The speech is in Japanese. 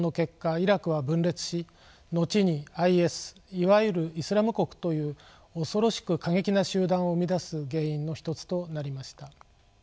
イラクは分裂し後にＩＳいわゆるイスラム国という恐ろしく過激な集団を生み出す原因の一つとなりました。